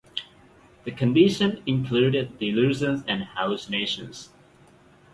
The condition included delusions and hallucinations.